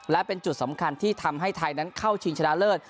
และเป็นจุดสำคัญที่ทำให้ไทยนั้นเข้าชิงชนะเลิศ